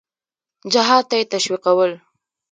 جهاد ته یې تشویقول.